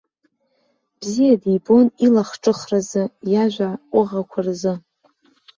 Бзиа дибон илахҿыхразы, иажәа ҟәыӷақәа рзы.